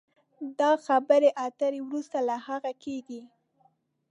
دا خبرې اترې وروسته له هغه کېږي